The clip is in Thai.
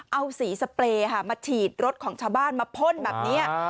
เอาสีสเปรย์ค่ะมาฉีดรถของชาวบ้านมาพ่นแบบนี้